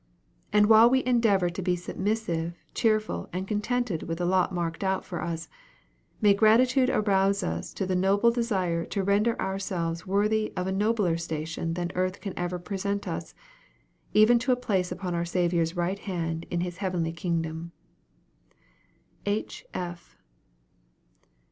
And while we endeavor to be submissive, cheerful, and contented with the lot marked out for us, may gratitude arouse us to the noble desire to render ourselves worthy of a nobler station than earth can ever present us, even to a place upon our Savior's right hand in his heavenly kingdom. H.